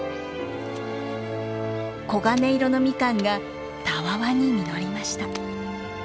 黄金色のミカンがたわわに実りました。